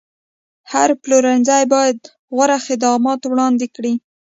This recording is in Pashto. هر پلورنځی باید غوره خدمات وړاندې کړي.